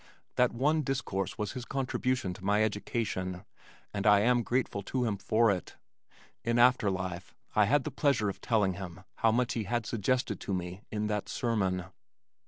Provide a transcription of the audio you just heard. That one discourse was his contribution to my education and I am grateful to him for it. In after life I had the pleasure of telling him how much he had suggested to me in that sermon.